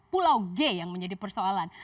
pulau g yang menjadi persoalan